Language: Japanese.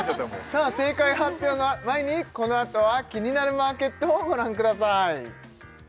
正解発表の前にこのあとは「キニナルマーケット」をご覧ください